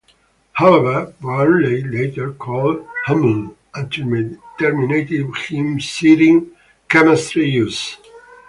However, Burnley later called Hummel and terminated him, citing chemistry issues.